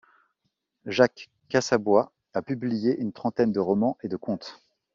Jacques Cassabois a publié une trentaine de romans et de contes.